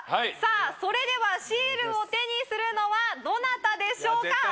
それではシールを手にするのはどなたでしょうか？